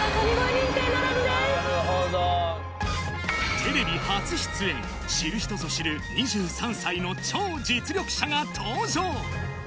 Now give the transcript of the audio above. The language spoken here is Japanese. テレビ初出演、知る人ぞ知る、２３歳の超実力者が登場。